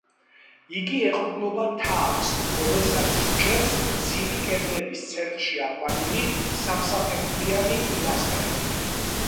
იგი ეყრდნობა თაღს, რომელსაც იჭერს გრძივი კედლების ცენტრებში აყვანილი სამსაფეხურიანი პილასტრები.